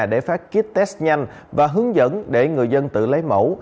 để phát kýt test nhanh và hướng dẫn để người dân tự lấy mẫu